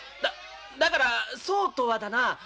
「だだからそうとはだな」